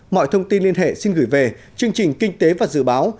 mọi thông tin liên hệ xin gửi về chương trình kinh tế và dự báo